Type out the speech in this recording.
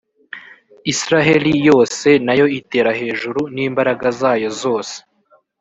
iisraheli yose na yo itera hejuru n’imbaraga zayo zose,